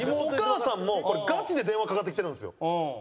お母さんもこれガチで電話かかってきてるんですよ。